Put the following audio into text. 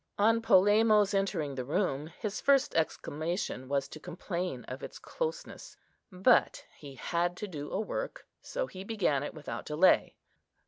On Polemo's entering the room, his first exclamation was to complain of its closeness; but he had to do a work, so he began it without delay.